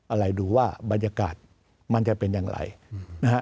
อะไรดูว่าบรรยากาศมันจะเป็นอย่างไรนะฮะ